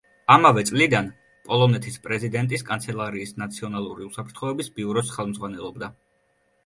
ამავე წლიდან პოლონეთის პრეზიდენტის კანცელარიის ნაციონალური უსაფრთხოების ბიუროს ხელმძღვანელობდა.